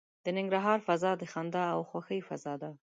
د ننګرهار فضا د خندا او خوښۍ فضا ده.